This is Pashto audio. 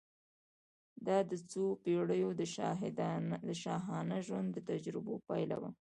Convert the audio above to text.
دا د څو پېړیو د شاهانه ژوند د تجربو پایله وه.